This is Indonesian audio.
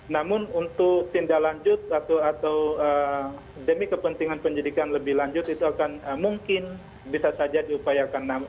namun untuk tindak lanjut atau demi kepentingan penyidikan lebih lanjut itu akan mungkin bisa saja diupayakan